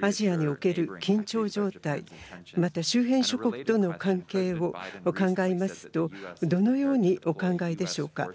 アジアにおける緊張状態また周辺諸国との関係を考えますとどのようにお考えでしょうか。